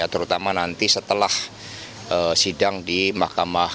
terutama nanti setelah sidang di mahkamah